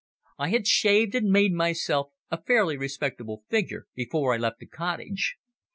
I had shaved and made myself a fairly respectable figure before I left the cottage.